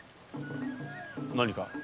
何か？